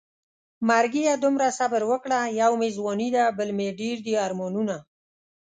مرګيه دومره صبر وکړه يو مې ځواني ده بل مې ډېر دي ارمانونه